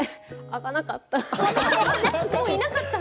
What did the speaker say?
開かなかった。